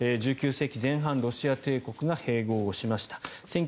１９世紀前半、ロシア帝国が併合しました。